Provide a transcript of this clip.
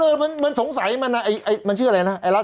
แล้วมันมันสงสัยมันไงมันชื่ออะไรนะ